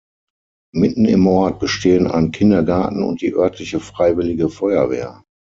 Mitten im Ort bestehen ein Kindergarten und die örtliche Freiwillige Feuerwehr.